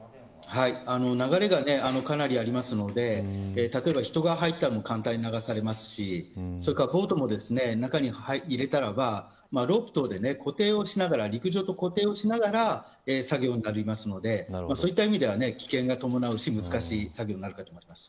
流れがかなりあるので例えば人が入っても簡単に流されますしそれからボートも中に入れたらロープなどで陸上と固定をしながらの作業になるのでそういった意味では危険が伴うし、難しい作業です。